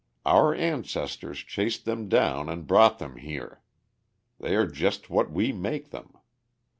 Our ancestors chased them down and brought them here. They are just what we make them.